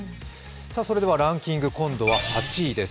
それではランキング、今度は８位です。